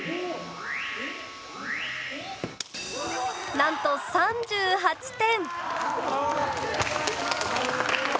なんと３８点！